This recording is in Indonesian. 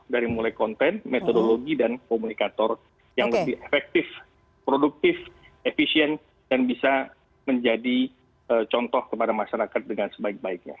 dari mulai konten metodologi dan komunikator yang lebih efektif produktif efisien dan bisa menjadi contoh kepada masyarakat dengan sebaik baiknya